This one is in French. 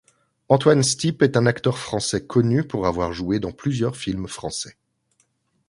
Antoine Stip est un acteur français connu pour avoir joué dans plusieurs films français.